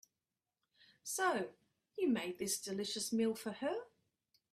So, you made this delicious meal for her?